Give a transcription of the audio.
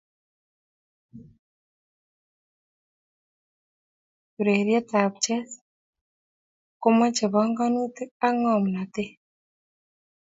Urerietab chess komochei pongonutik ak ngomnoteet